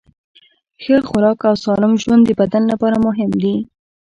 ښه خوراک او سالم ژوند د بدن لپاره مهم دي.